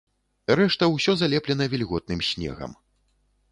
Рэшта ўсё залеплена вільготным снегам.